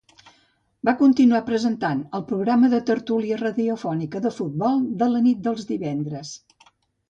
Va continuar presentant el programa de tertúlia radiofònica de futbol de la nit dels divendres.